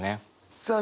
さあ